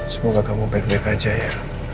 semoga kamu baik baik aja ya